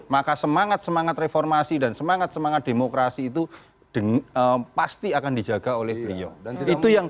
maka semangat semangat reformasi dan semangat semangat demokrasi itu pasti akan dijaga oleh beliau